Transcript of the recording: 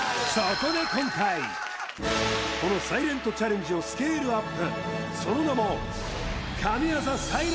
このサイレントチャレンジをスケールアップ！